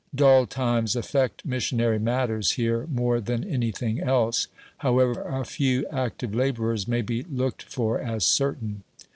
Doll times affect missionary matters hero more than any thing else ; however, a few active laborers may be looked for. as certain.